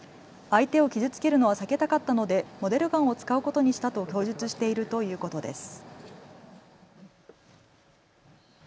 相手を傷つけるのは避けたかったのでモデルガンを使うことにしたと供述しているということです。